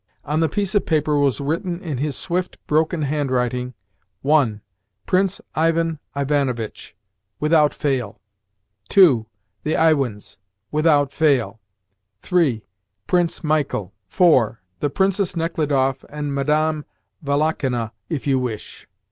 On the piece of paper was written in his swift, broken hand writing: "(1) Prince Ivan Ivanovitch WITHOUT FAIL; (2) the Iwins WITHOUT FAIL; (3) Prince Michael; (4) the Princess Nechludoff and Madame Valakhina if you wish."